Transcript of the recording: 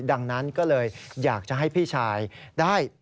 ดังนั้นก็เลยอยากจะให้พี่ชายได้